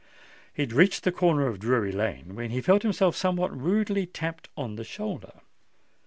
He had reached the corner of Drury Lane, when he felt himself somewhat rudely tapped on the shoulder.